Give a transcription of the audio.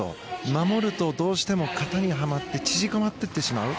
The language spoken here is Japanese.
守ると、どうしても型にはまって縮こまっていってしまう。